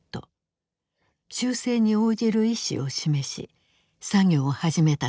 修正に応じる意思を示し作業を始めたという。